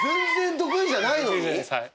得意じゃないです。